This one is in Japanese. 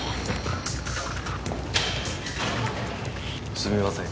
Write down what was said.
すみません。